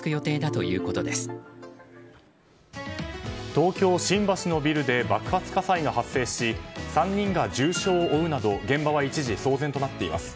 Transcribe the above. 東京・新橋のビルで爆発火災が発生し３人が重傷を負うなど現場は一時騒然となっています。